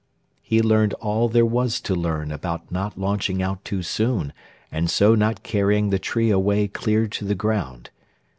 He learned all there was To learn about not launching out too soon And so not carrying the tree away Clear to the ground.